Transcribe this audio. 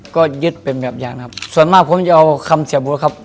ก็ยึดเป็นแบบอย่างนะครับส่วนมากผมจะเอาคำเสียบูธครับ